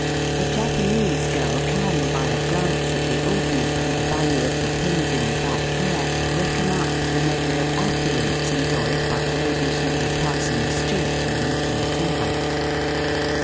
A Japanese girl can by a glance at the obi and the value of the pins in the back hair reckon up the measure of afflu ence enjoyed by a lady she may pass in the street or meet in a tea house.